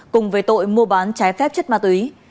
cùng về tội mua bán trái phép chất ma túy